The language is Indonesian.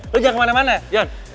lalu jangan kemana mana john